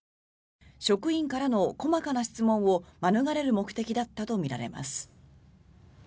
職員からの細かな質問を免れる目的だったとみられます。